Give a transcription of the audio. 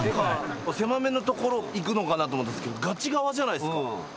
狭めのところ行くのかなと思ったんすけどガチ川じゃないっすか。